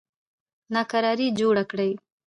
ناکراري جوړه کړي.